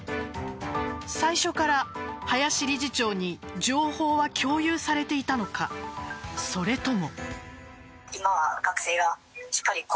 最初から林理事長に情報は共有されていたのかそれとも。